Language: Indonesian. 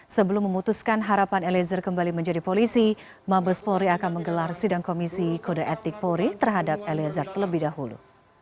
sebelum memutuskan harapan eliezer kembali menjadi polisi mabes polri akan menggelar sidang komisi kode etik polri terhadap eliezer terlebih dahulu